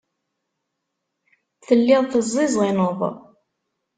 Telliḍ teẓẓiẓineḍ.